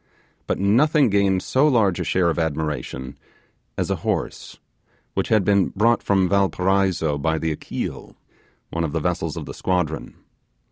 But nothing gained so large a share of admiration as a horse, which had been brought from Valparaiso by the Achille, one of the vessels of the squadron.